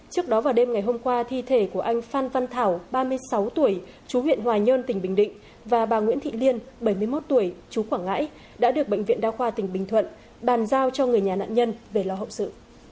trước đó vào đêm ngày hôm qua thi thể của anh phan văn thảo ba mươi sáu tuổi chú huyện hòa nhơn tỉnh bình định và bà nguyễn thị liên bảy mươi một tuổi chú quảng ngãi đã được bệnh viện đa khoa tỉnh bình thuận bàn giao cho người nhà nạn nhân về lo hậu sự